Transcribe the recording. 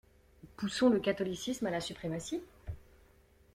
Poussons le catholicisme à la suprématie.